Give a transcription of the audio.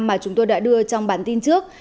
mà chúng tôi đã đưa trong bản tin trước